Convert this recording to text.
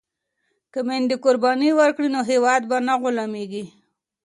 که میندې قرباني ورکړي نو هیواد به نه غلامیږي.